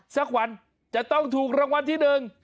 สักวันจะต้องถูกรางวัลที่หนึ่ง